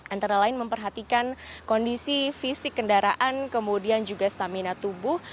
antara lain memperhatikan kondisi fisik kendaraan kemudian juga stamina tubuh